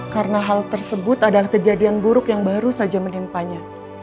karena hal tersebut adalah kejadian buruk yang baru saja menimpanya